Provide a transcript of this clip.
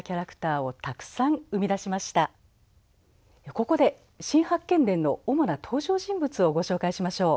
ここで「新八犬伝」の主な登場人物をご紹介しましょう。